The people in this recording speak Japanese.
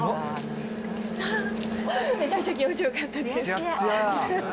めちゃくちゃ気持ちよかったです。